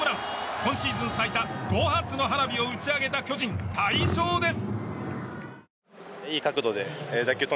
今シーズン最多５発の花火を打ち上げた巨人大勝です！